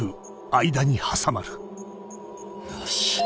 よし。